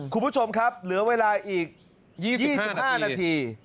คุณผู้ชมครับเหลือเวลาอีก๒๕นาที